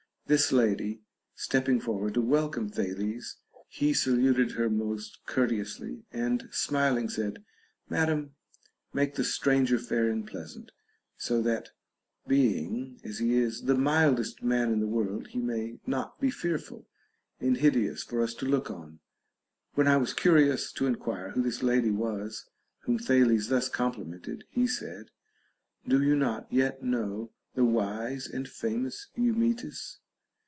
This lady stepping forward to welcome Thales, he saluted her most courteously, and smiling said : Madam, make the stranger fair and pleasant, so that, being (as he is) the mildest man in the world, he may not be fearful and hideous for us to look on. When I was curious to enquire who this lady was whom Thales thus complimented, he said, Do you not yet know the wise and famous Eumetis